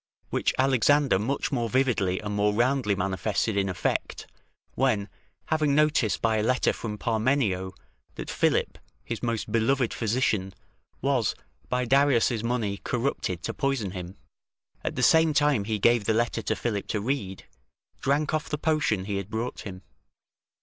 ] which Alexander much more vividly and more roundly manifested in effect, when, having notice by a letter from Parmenio, that Philip, his most beloved physician, was by Darius' money corrupted to poison him, at the same time he gave the letter to Philip to read, drank off the potion he had brought him.